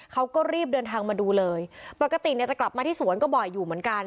เขาก็รีบเดินทางมาดูเลยปกติเนี่ยจะกลับมาที่สวนก็บ่อยอยู่เหมือนกัน